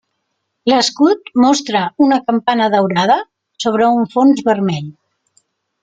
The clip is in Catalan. L'escut mostra una campana daurada sobre un fons vermell.